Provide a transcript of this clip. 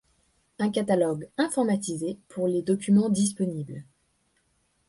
Un catalogue informatisé pour les documents disponibles.